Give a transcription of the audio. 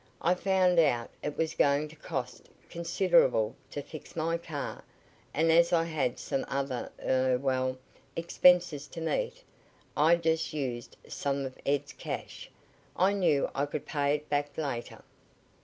I found out it was going to cost considerable to fix my car, and as I had some other er well, expenses to meet, I just used some of Ed's cash. I knew I could pay it back later.